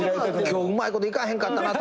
今日うまいこといかへんかったなって